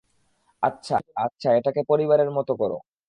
আচ্ছা, আচ্ছা, এটাকে পরিবারের মতো করো।